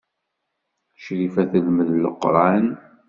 Crifa telmed Leqran.